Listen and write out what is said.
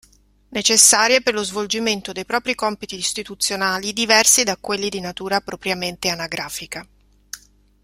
Necessarie per lo svolgimento dei propri compiti istituzionali diversi da quelli di natura propriamente anagrafica.